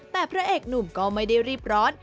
แต่พระเอกหนุ่มก็ไม่ได้รีบร้อน